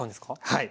はい。